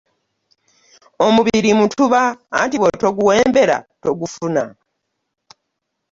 Omubiri mutuba anti bw'otoguwembera togufuna.